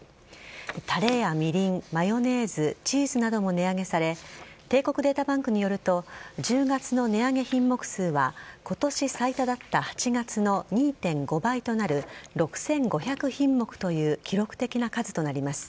たれやみりん、マヨネーズチーズなども値上げされ帝国データバンクによると１０月の値上げ品目数は今年最多だった８月の２．５倍となる６５００品目という記録的な数となります。